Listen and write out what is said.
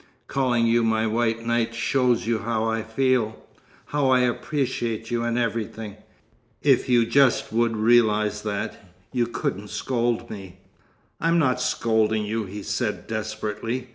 Calling you my 'White Knight' shows you how I feel how I appreciate you and everything. If you just would realize that, you couldn't scold me." "I'm not scolding you," he said desperately.